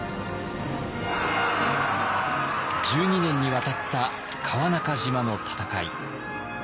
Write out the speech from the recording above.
１２年にわたった川中島の戦い。